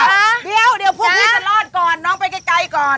เดี๋ยวเดี๋ยวพวกพี่จะรอดก่อนน้องไปใกล้ก่อน